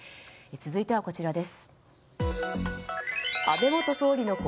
続いてはこちらです。